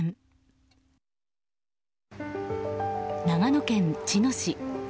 長野県茅野市。